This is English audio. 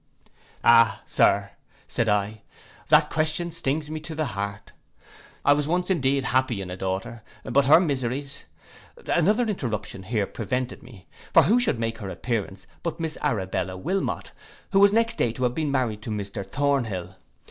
'Ah, Sir,' said I, 'that question stings me to the heart: I was once indeed happy in a daughter, but her miseries—' Another interruption here prevented me; for who should make her appearance but Miss Arabella Wilmot, who was next day to have been married to Mr Thornhill.